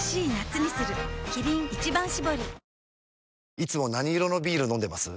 いつも何色のビール飲んでます？